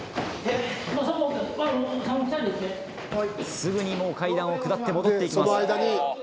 すぐにもう階段を下って戻って行きます。